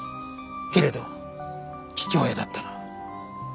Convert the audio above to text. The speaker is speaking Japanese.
けれど父親だったら。